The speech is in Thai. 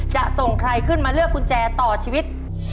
จะส่งใครขึ้นมาเลือกกุญแจต่อชีวิต